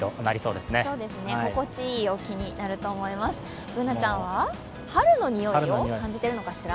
Ｂｏｏｎａちゃんは、春の匂いを感じているのかしら。